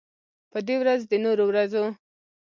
په دې ورځ د نورو ورځو